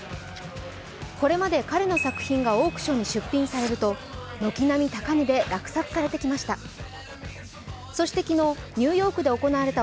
これまで彼の作品がオークションに出品されると軒並み、高値で落札されてきました